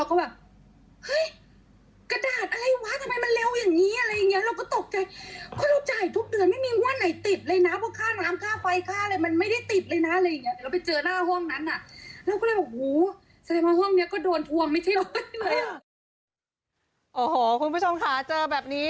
โอ้โหคุณผู้ชมค่ะเจอแบบนี้